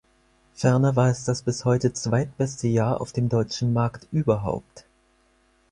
Ferner war es das bis heute zweitbeste Jahr auf dem deutschen Markt überhaupt.